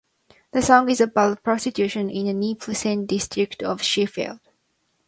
The song is about prostitution in the Neepsend district of Sheffield.